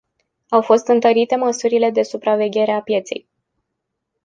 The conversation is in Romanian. Au fost întărite măsurile de supraveghere a pieței.